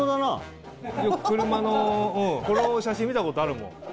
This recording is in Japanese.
車のこの写真見たことあるもん。